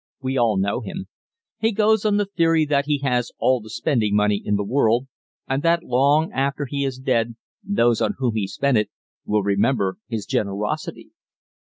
We all know him. He goes on the theory that he has all the spending money in the world, and that long after he is dead those on whom he spent it will remember his generosity.